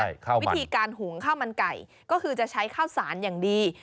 ใช่ครับวิธีการหุงข้าวมันไก่ก็คือจะใช้ข้าวสารอย่างดี